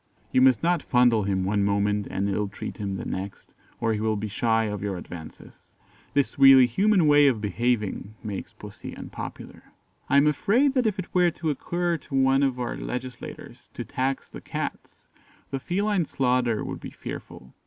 You must not fondle him one moment and illtreat him the next, or he will be shy of your advances. This really human way of behaving makes Pussy unpopular. I am afraid that if it were to occur to one of our legislators to tax the Cats, the feline slaughter would be fearful.